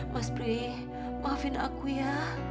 mas bri maafin aku ya